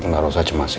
gak usah cemas ya